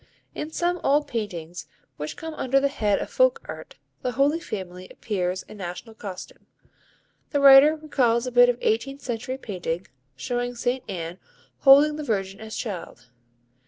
In some old paintings which come under the head of Folk Art, the Holy Family appears in national costume. The writer recalls a bit of eighteenth century painting, showing St. Anne holding the Virgin as child.